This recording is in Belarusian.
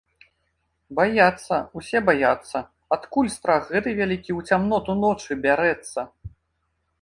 Баяцца, усе баяцца, адкуль страх гэты вялікі ў цямноту ночы бярэцца?